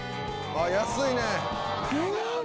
ああ安いね！